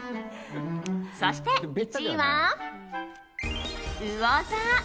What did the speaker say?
そして１位は、うお座。